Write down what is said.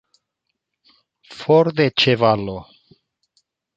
For de ĉevalo!